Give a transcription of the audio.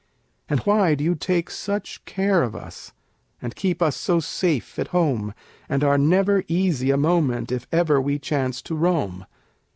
And why do you take such care of us, And keep us so safe at home, And are never easy a moment If ever we chance to roam?